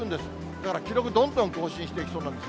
だから記録、どんどん更新していきそうなんです。